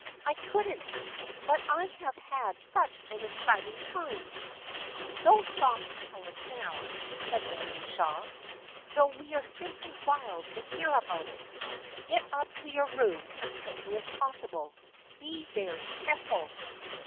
" I couldn't ! But I have had such an exciting time !"" Don't stop to tell us now/' said Marion Shaw, " though we are simply wild to hear about it. Get up to your room as quickly as possible. Be very careful."